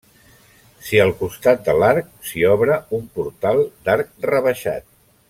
Si al costat de l'arc, s'hi obre un portal d'arc rebaixat.